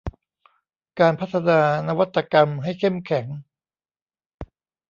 การพัฒนานวัตกรรมให้เข้มแข็ง